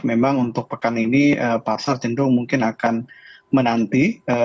memang untuk pekan ini pasar cenderung mungkin akan menanti